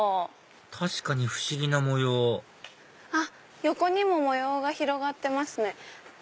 確かに不思議な模様あっ横にも模様が広がってますね。